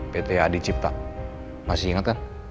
pta di cipta masih inget kan